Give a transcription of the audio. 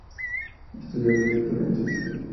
Estudió arquitectura en Suiza.